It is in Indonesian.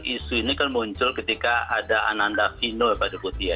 isu ini kan muncul ketika ada ananda vino ya pak deputi ya